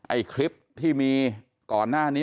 ไอ้คลิปที่มีก่อนหน้านี้